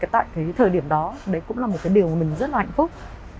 tại cái thời điểm đó đấy cũng là một cái điều mình rất là hạnh phúc